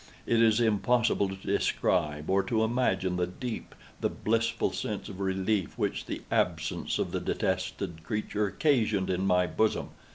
It is impossible to describe, or to imagine, the deep, the blissful sense of relief which the absence of the detested creature occasioned in my bosom.